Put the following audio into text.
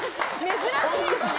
珍しいですね。